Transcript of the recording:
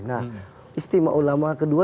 nah istimewa ulama kedua